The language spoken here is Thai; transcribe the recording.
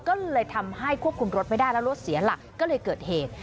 ก็เลยทำให้ควบคุมรถไม่ได้แล้วรถเสียหลักก็เลยเกิดเหตุ